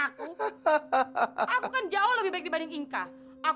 aku aku kan jauh lebih baik dibanding inka